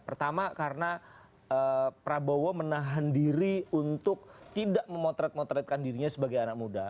pertama karena prabowo menahan diri untuk tidak memotret motretkan dirinya sebagai anak muda